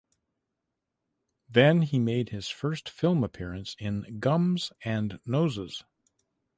Then he made his first film appearance in "Gums and Noses".